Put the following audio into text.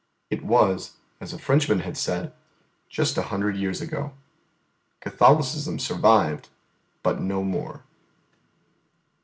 It was, as a Frenchman had said, just a hundred years ago. Catholicism survived; but no more.